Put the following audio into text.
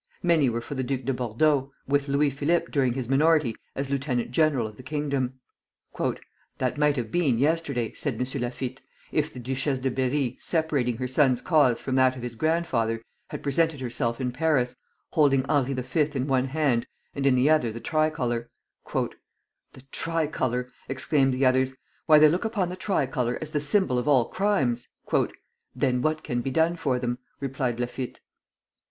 Many were for the Duc de Bordeaux, with Louis Philippe during his minority as lieutenant general of the kingdom. "That might have been yesterday," said M. Laffitte, "if the Duchesse de Berri, separating her son's cause from that of his grandfather, had presented herself in Paris, holding Henri V. in one hand, and in the other the tricolor." "The tricolor!" exclaimed the others; "why, they look upon the tricolor as the symbol of all crimes!" "Then what can be done for them?" replied Laffitte.